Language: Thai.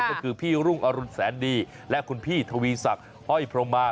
ก็คือพี่รุ่งอรุณแสนดีและคุณพี่ทวีศักดิ์ห้อยพรมมา